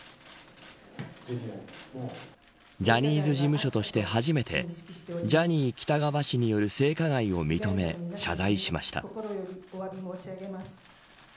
ジャニーズ事務所として初めてジャニー喜多川氏による性加害を認め謝罪しました。